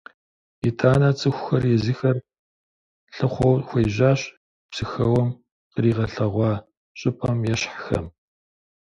ИтӀанэ цӀыхухэр езыхэр лъыхъуэу хуежьащ Псыхэуэм къригъэлъэгъуа щӀыпӀэм ещхьхэм.